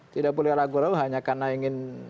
tidak boleh ragu ragu hanya karena ingin